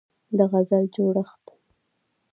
د غزل جوړښت